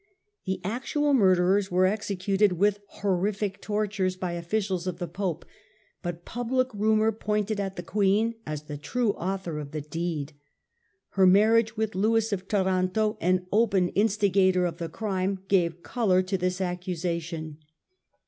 The actual murderers were executed with horrible tortures by officials of the Pope, but public rumour pointed at the Queen as the true author of the deed. Her marriage with Lewis of Taranto, an open instigator of the crime, gave colour to this accusation.